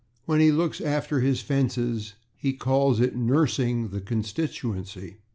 When he looks after his fences he calls it /nursing the constituency